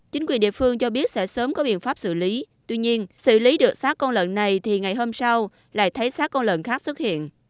chính quyền địa phương cho biết sẽ sớm có biện pháp xử lý tuy nhiên xử lý được sát con lợn này thì ngày hôm sau lại thấy sát con lợn khác xuất hiện